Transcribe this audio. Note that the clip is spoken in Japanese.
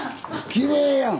きれいやん。